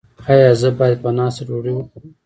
ایا زه باید په ناسته ډوډۍ وخورم؟